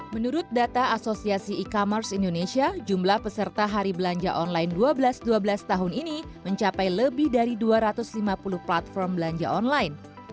menurut data asosiasi e commerce indonesia jumlah peserta hari belanja online dua belas dua belas tahun ini mencapai lebih dari dua ratus lima puluh platform belanja online